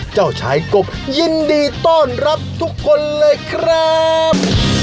เจ้าชายกบยินดีต้อนรับทุกคนเลยครับ